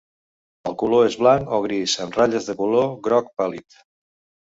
El color és blanc o gris amb ratlles de color groc pàl·lid.